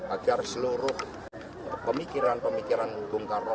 agar seluruh pemikiran pemikiran bung karno